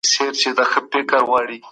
ساینسي څېړني مشخصې ستونزي حلوي.